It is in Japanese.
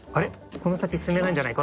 この先進めないんじゃないか？